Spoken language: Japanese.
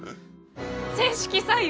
正式採用？